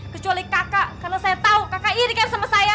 kecuali kakak karena saya tau kakak irikan sama saya